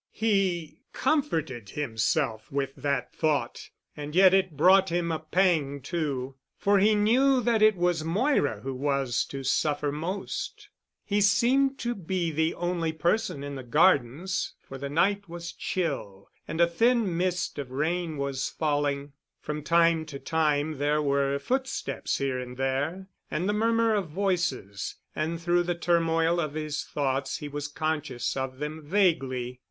He comforted himself with that thought and yet it brought him a pang too, for he knew that it was Moira who was to suffer most. He seemed to be the only person in the gardens, for the night was chill and a thin mist of rain was falling. From time to time there were footsteps here and there, and the murmur of voices, and through the turmoil of his thoughts he was conscious of them vaguely.